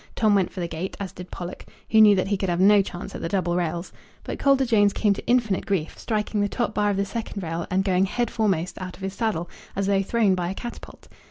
Tom went for the gate, as did Pollock, who knew that he could have no chance at the double rails. But Calder Jones came to infinite grief, striking the top bar of the second rail, and going head foremost out of his saddle, as though thrown by a catapult.